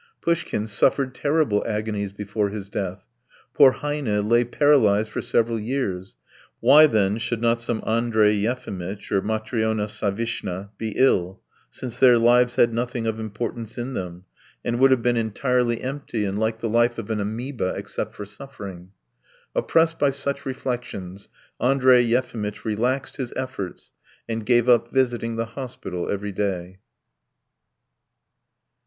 Pushkin suffered terrible agonies before his death, poor Heine lay paralyzed for several years; why, then, should not some Andrey Yefimitch or Matryona Savishna be ill, since their lives had nothing of importance in them, and would have been entirely empty and like the life of an amoeba except for suffering? Oppressed by such reflections, Andrey Yefimitch relaxed his efforts and gave up visiting the hospital every day.